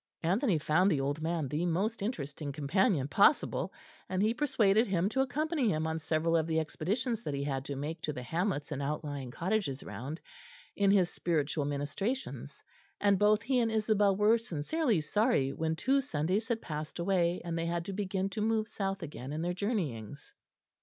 Anthony found the old man the most interesting companion possible, and he persuaded him to accompany him on several of the expeditions that he had to make to the hamlets and outlying cottages round, in his spiritual ministrations; and both he and Isabel were sincerely sorry when two Sundays had passed away, and they had to begin to move south again in their journeyings.